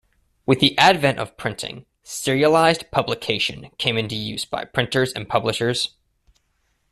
With the advent of printing, "serialized publication" came into use by printers and publishers.